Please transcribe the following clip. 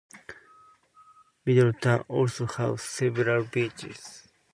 Middletown also has several beaches.